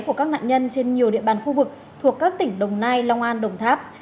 của các nạn nhân trên nhiều địa bàn khu vực thuộc các tỉnh đồng nai long an đồng tháp